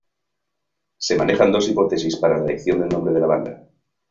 Se manejan dos hipótesis para la elección del nombre de la banda.